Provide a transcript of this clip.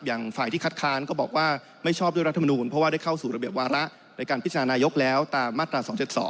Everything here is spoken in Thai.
อย่างฝ่ายที่คัดค้านก็บอกว่าไม่ชอบด้วยรัฐมนูลเพราะว่าได้เข้าสู่ระเบียบวาระในการพิจารณานายกแล้วตามมาตรา๒๗๒